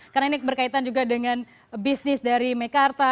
karena ini berkaitan juga dengan bisnis dari mekarta